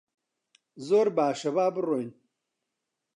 زۆر باشە، با بڕۆین.